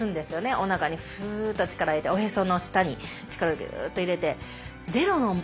おなかにふっと力入れておへその下に力をギューッと入れて。